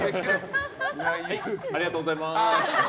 ありがとうございます。